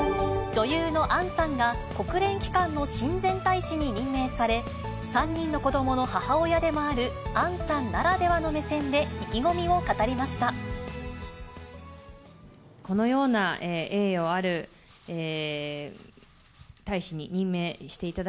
女優の杏さんが、国連機関の親善大使に任命され、３人の子どもの母親でもある杏さんならではの目線で、意気込みを語りました。